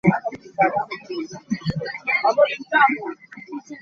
Doan himself has denied that he ever made the ethnic slur.